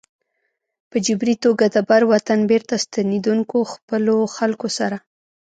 په جبري توګه د بر وطن بېرته ستنېدونکو خپلو خلکو سره.